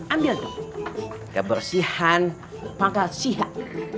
ambil kebersihan pangkal sihat